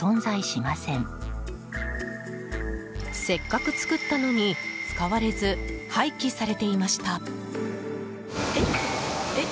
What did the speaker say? せっかく作ったのに使われず廃棄されていました。